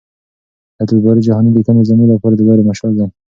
د عبدالباري جهاني لیکنې زموږ لپاره د لارې مشال دي.